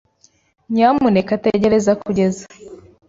Nyamuneka tegereza kugeza ,